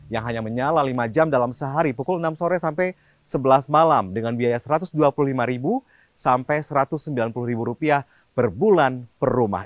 yang hanya menyala lima jam dalam sehari pukul enam sore sampai sebelas malam dengan biaya rp satu ratus dua puluh lima sampai rp satu ratus sembilan puluh per bulan per rumah